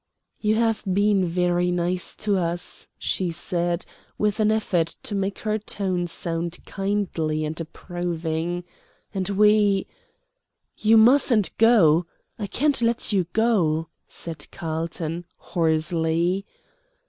"You have been very nice to us," she said, with an effort to make her tone sound kindly and approving. "And we " "You mustn't go; I can't let you go," said Carlton, hoarsely.